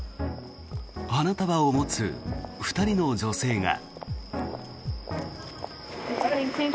花束を持つ２人の女性が。